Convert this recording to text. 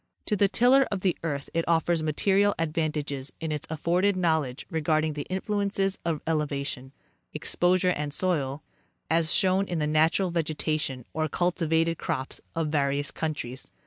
To the tiller of the earth it offers material advantages in its afforded knowledge re garding the influences of elevation, exposure and soil, as shown in the natural vegetation or cultivated crops of various countries.